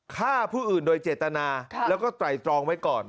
ฆ่าผู้อื่นโดยเจตนาแล้วก็ไตรตรองไว้ก่อน